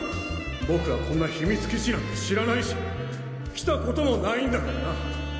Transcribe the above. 僕はこんな秘密基地なんて知らないし来たこともないんだからな！